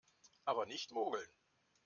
Aber nicht mogeln!